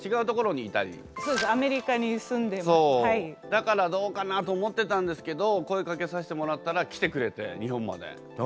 だからどうかなと思ってたんですけど声かけさせてもらったら来てくれて日本まで。